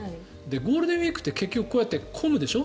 ゴールデンウィークって結局こうやって混むでしょ。